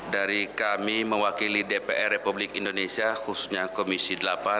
dari kami mewakili dpr republik indonesia khususnya komisi delapan